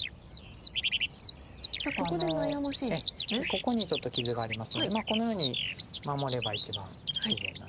ここにちょっと傷がありますのでこのように守れば一番自然なんですけど。